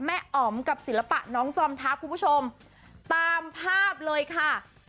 อ๋อมกับศิลปะน้องจอมทัพคุณผู้ชมตามภาพเลยค่ะ